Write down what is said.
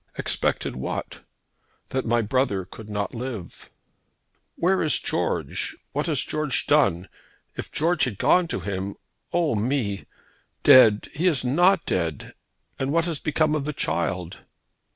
"Expected what?" "That my brother could not live." "Where is George? What has George done? If George had gone to him . Oh me! Dead! He is not dead! And what has become of the child?"